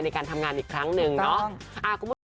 ในการทำงานอีกครั้งหนึ่งเนาะ